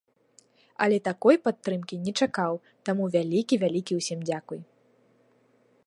Але такой падтрымкі не чакаў, таму вялікі-вялікі усім дзякуй.